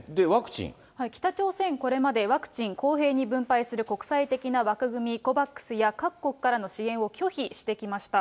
北朝鮮、これまでワクチン、公平に分配する国際的な枠組み、ＣＯＶＡＸや各国からの支援を拒否してきました。